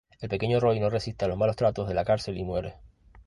El pequeño Roy no resiste a los malos tratos de la cárcel y muere.